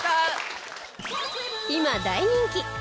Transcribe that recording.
今大人気！